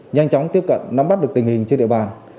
nhanh chóng tiếp cận nắm bắt được tình hình trên địa bàn